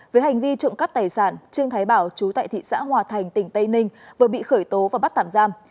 với hành vi trộm cắp tài sản trương thái bảo chú tại thị xã hòa thành tỉnh tây ninh vừa bị khởi tố và bắt tạm giam